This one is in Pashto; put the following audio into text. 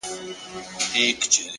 گراني بس څو ورځي لا پاته دي-